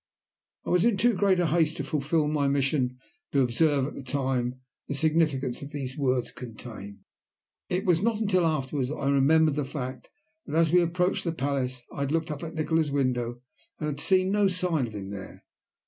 I was in too great a haste to fulfil my mission to observe at the time the significance these words contained. It was not until afterwards that I remembered the fact that, as we approached the palace, I had looked up at Nikola's window and had seen no sign of him there.